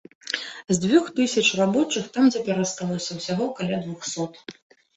З дзвюх тысяч рабочых там цяпер асталося ўсяго каля двухсот.